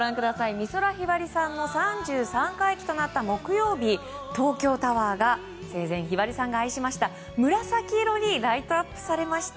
美空ひばりさんの三十三回忌となった木曜日東京タワーが生前、ひばりさんが愛しました紫色にライトアップされました。